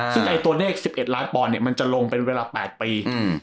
ซึ่งไอ้ตัวนี้๑๑ล้านปอนเนี่ยมันจะลงไปเวลา๘ปี